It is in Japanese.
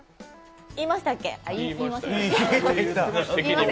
言いましたっけ？